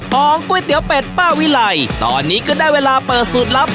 ของก๋วยเตี๋ยวเป็ดป้าวิไลตอนนี้ก็ได้เวลาเปิดสูตรลับ